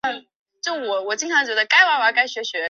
覆瓦背叶虫为叶须虫科背叶虫属的动物。